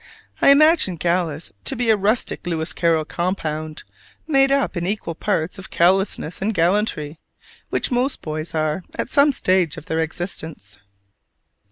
I imagine "gallous" to be a rustic Lewis Carroll compound, made up in equal parts of callousness and gallantry, which most boys are, at some stage of their existence.